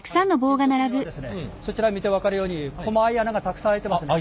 金属にはですねそちら見て分かるようにこまい穴がたくさん開いてますね。